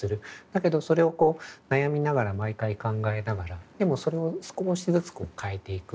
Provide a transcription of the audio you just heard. だけどそれをこう悩みながら毎回考えながらでもそれを少しずつ変えていく。